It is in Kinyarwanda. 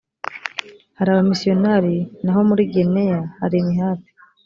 hari abamisiyonari naho muri gineya hari imihati